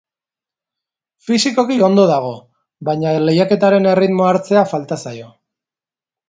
Fisikoki ongi dago, baina lehiaketaren erritmoa hartzea falta zaio.